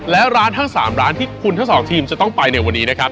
และร้านทั้ง๓ร้านที่คุณทั้งสองทีมจะต้องไปในวันนี้นะครับ